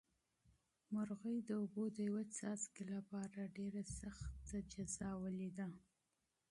مرغۍ د اوبو د یوې قطرې لپاره ډېره سخته جزا ولیده.